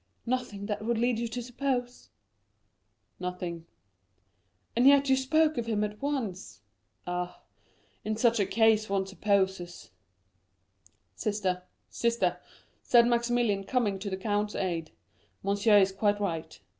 "Nothing that would lead you to suppose?" "Nothing." "And yet you spoke of him at once." "Ah, in such a case one supposes——" "Sister, sister," said Maximilian, coming to the count's aid, "monsieur is quite right.